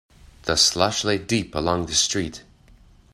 The slush lay deep along the street.